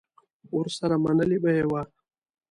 ورسره منلې به یې وه